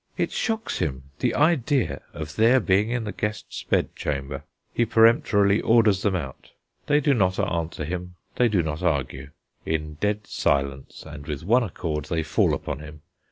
It shocks him, the idea of their being in the guest's bedchamber. He peremptorily orders them out. They do not answer him, they do not argue; in dead silence, and with one accord they fall upon him.